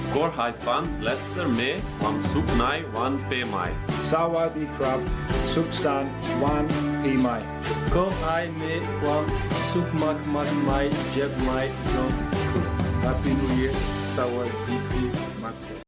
ขอบคุณทุกครั้งสวัสดีครับสวัสดีครับ